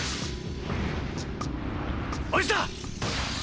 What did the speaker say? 落ちた！